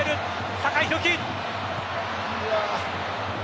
酒井宏樹。